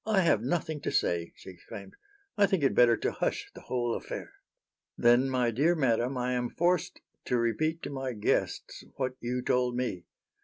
"I have nothing to say," she exclaimed. "I think it better to hush the whole affair." "Then, my dear madam, I am forced to repeat to my guests what you told me.